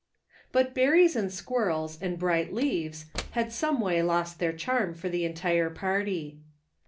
"OUT berries and squirrels and bright leaves *^ had some way lost their charm for the entire party.